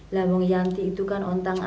lah wong yanti itu kan ontang anting